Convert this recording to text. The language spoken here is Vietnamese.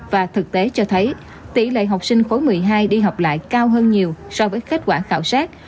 và thực tế cho thấy tỷ lệ học sinh khối một mươi hai đi học lại cao hơn nhiều so với kết quả khảo sát